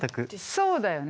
そうだよね。